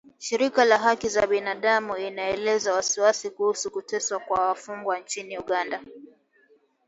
Shirika la haki za binadamu inaelezea wasiwasi kuhusu kuteswa kwa wafungwa nchini Uganda